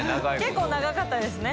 結構長かったですね。